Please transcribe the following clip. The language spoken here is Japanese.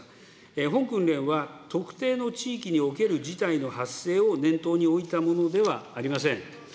本訓練は、特定の地域における事態の発生を念頭に置いたものではありません。